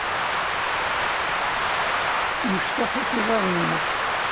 Mecṭuḥ-it yiḍaren-ines.